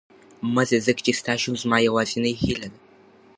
مه ځه، ځکه چې ستا شتون زما یوازینۍ هیله ده.